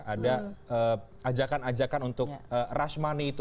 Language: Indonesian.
ada ajakan ajakan untuk rash money itu